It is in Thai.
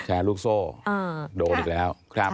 แชร์ลูกโซ่โดนอีกแล้ว